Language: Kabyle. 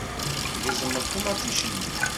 Tgezmeḍ ṭumaṭic-nni.